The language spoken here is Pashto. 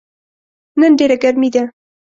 نن ډیره ګرمې ده